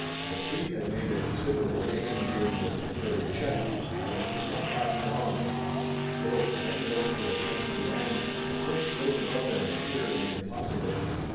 The three had made a considerable gain during their temporary check, but it could not last long. Willet again looked for a chance to land, but the cliffs rose above them sheer and impossible.